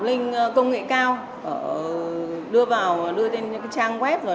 hình công nghệ cao đưa vào đưa lên trang web rồi gửi qua cậu mà đến giới thiệu với bản thân gia đình nhà tôi